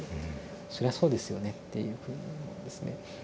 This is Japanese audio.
「そりゃそうですよね」っていうふうに思うんですね。